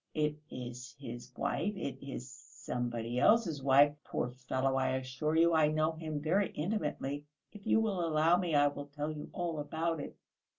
It is his wife, it is somebody else's wife. Poor fellow! I assure you, I know him very intimately; if you will allow me I will tell you all about it.